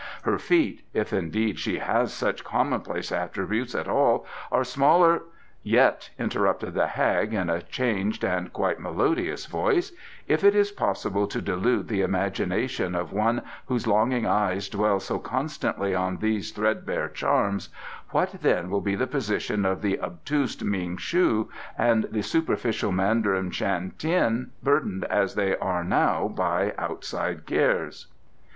Her feet, if indeed she has such commonplace attributes at all, are smaller " "Yet," interrupted the hag, in a changed and quite melodious voice, "if it is possible to delude the imagination of one whose longing eyes dwell so constantly on these threadbare charms, what then will be the position of the obtuse Ming shu and the superficial Mandarin Shan Tien, burdened as they now are by outside cares?"